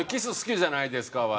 「じゃないですか」